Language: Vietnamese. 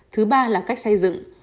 thứ ba là cách xây dựng